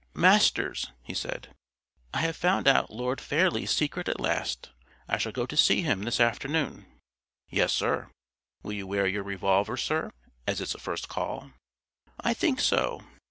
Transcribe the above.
"Masters," he said, "I have found out Lord Fairlie's secret at last. I shall go to see him this afternoon." "Yes, Sir. Will you wear your revolver, Sir, as it's a first call?" "I think so.